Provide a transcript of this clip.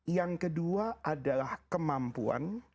yang kedua adalah kemampuan